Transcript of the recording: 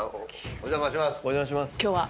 お邪魔します。